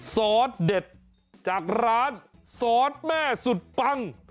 ซอสเด็ดจากร้านซอสแม่สุดปัง